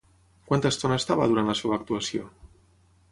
Quanta estona estava durant la seva actuació?